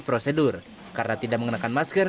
prosedur karena tidak mengenakan masker